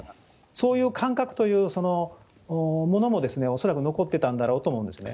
そういう感覚という、そういうものも恐らく残ってたんだろうと思うんですね。